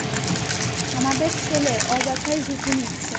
আমাদের ছেলে অযথাই ঝুঁকি নিচ্ছে।